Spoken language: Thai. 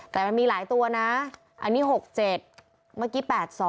แต่มันมีหลายตัวนะอันนี้๖๗เมื่อกี้๘๒